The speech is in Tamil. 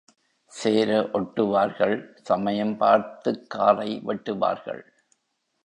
சேர ஒட்டுவார்கள் சமயம் பார்த்துக் காலை வெட்டுவார்கள்.